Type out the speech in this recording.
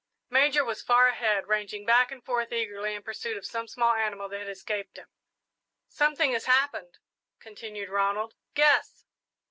Major was far ahead, ranging back and forth eagerly in pursuit of some small animal that had escaped him. "Something has happened," continued Ronald; "guess!"